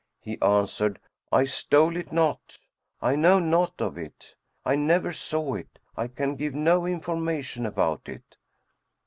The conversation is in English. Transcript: He answered "I stole it not, I know naught of it; I never saw it; I can give no information about it!"